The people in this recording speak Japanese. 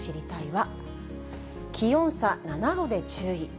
は、気温差７度で注意。